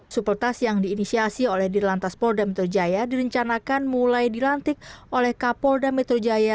supeltas yang diinisiasi oleh dirlantas polda metro jaya direncanakan mulai dilantik oleh kapolda metro jaya